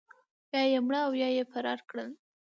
یا یې مړه او یا یې فرار کړل.